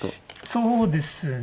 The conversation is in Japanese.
そうですね。